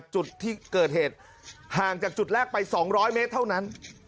จุดที่เกิดเหตุห่างจากจุดแรกไป๒๐๐เมตรเท่านั้น